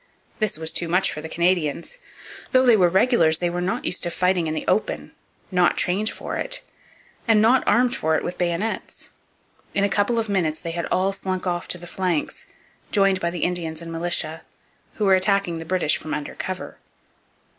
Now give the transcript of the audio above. This was too much for the Canadians. Though they were regulars they were not used to fighting in the open, not trained for it, and not armed for it with bayonets. In a couple of minutes they had all slunk off to the flanks and joined the Indians and militia, who were attacking the British from under cover.